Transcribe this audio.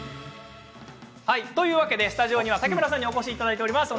というわけでスタジオにはタケムラさんにお越しいただいています。